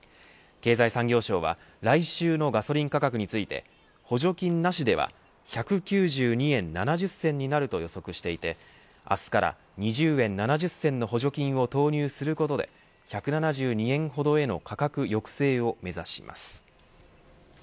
経済産業省は来週のガソリン価格について補助金なしでは１９２円７０銭になると予測していて、明日から２０円７０銭の補助金を投入することで１７２円ほどへの価格抑制を目指します。